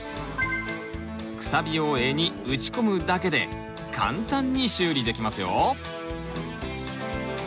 くさびを柄に打ち込むだけで簡単に修理できますよ。